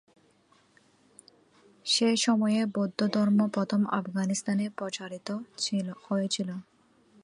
সেই সময়েই বৌদ্ধধর্ম প্রথম আফগানিস্তানে প্রচারিত হয়েছিল।